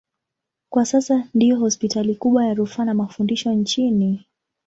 Kwa sasa ndiyo hospitali kubwa ya rufaa na mafundisho nchini.